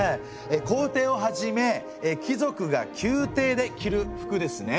皇帝をはじめ貴族が宮廷で着る服ですね。